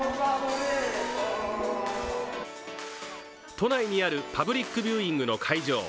都内にあるパブリックビューイングの会場。